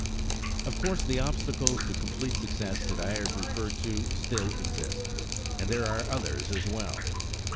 Of course the obstacles to complete success that I have referred to still exist, and there are others as well.